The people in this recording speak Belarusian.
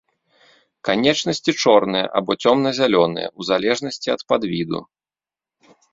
Канечнасці чорныя або цёмна-зялёныя, у залежнасці ад падвіду.